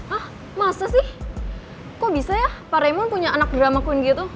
hah masa sih kok bisa ya pak raymond punya anak drama queen gitu